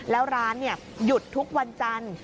แล้วร้านหยุดทุกวันจันทร์